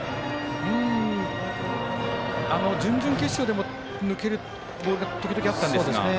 準々決勝でも抜けるボールが時々、あったんですが。